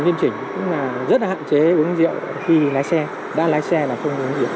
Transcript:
nghiêm chỉnh rất là hạn chế uống rượu khi lái xe đã lái xe là không uống rượu